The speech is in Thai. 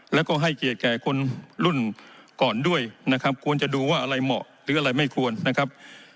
แล้วก็ให้เกียรติแก่คนรุ่นก่อนด้วยนะครับควรจะดูว่าอะไรเหมาะหรืออะไรไม่ควรนะครับ